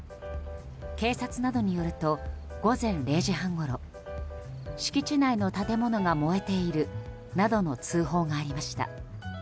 警察などによると午前０時半ごろ敷地内の建物が燃えているなどの通報がありました。